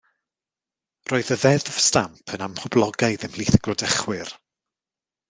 Roedd y Ddeddf Stamp yn amhoblogaidd ymhlith y gwladychwyr.